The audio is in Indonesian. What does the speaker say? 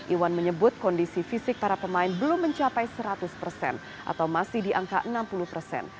iwan menyebut kondisi fisik para pemain belum mencapai seratus persen atau masih di angka enam puluh persen